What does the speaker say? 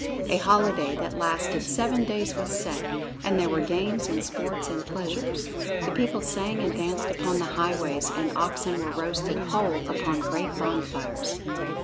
A holiday that lasted seven days was set, and there were games and sports and pleasures. The people sang and danced upon the highways, and oxen were roasted whole upon great bonfires.